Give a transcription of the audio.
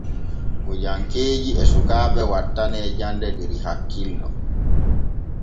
Gojankeeji e sukaaɓe wattanee jande der hakkillo.